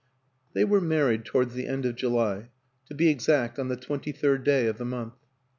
They were married towards the end of July to be exact, on the twenty third day of the month.